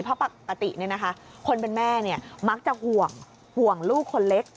เพราะปกติเนี่ยนะคะคนเป็นแม่เนี่ยมักจะห่วงลูกคนเล็ก